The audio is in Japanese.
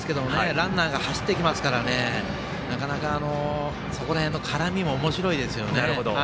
ランナーが走ってきますからなかなか、そこら辺の絡みもおもしろいですよね。